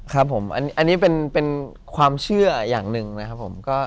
ครับผมอันนี้เป็นความเชื่ออย่างหนึ่งนะครับผม